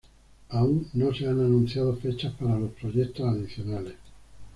Aún no se han anunciado fechas para los proyectos adicionales.